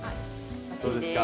どうですか？